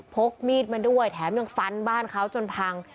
กมีดมาด้วยแถมยังฟันบ้านเขาจนพัง